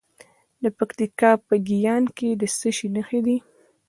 د پکتیکا په ګیان کې د څه شي نښې دي؟